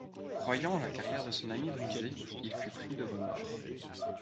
Croyant la carrière de son ami brisée, il fut pris de remords.